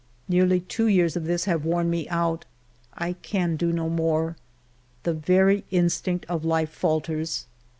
Nearly two years of this have worn me out. I can do no more. The very instinct of life falters.